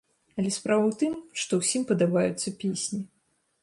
Але справа ў тым, што ўсім падабаюцца песні.